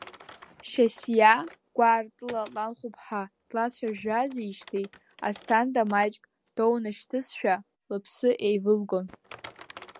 Шьасиа гәаартыла ланхәԥҳа длацәажәазижьҭеи, Асҭанда маҷк доунашьҭызшәа лԥсы еивылгон.